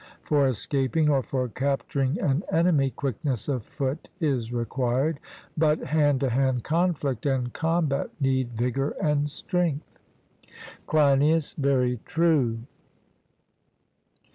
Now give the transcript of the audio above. For escaping or for capturing an enemy, quickness of foot is required; but hand to hand conflict and combat need vigour and strength. CLEINIAS: Very true.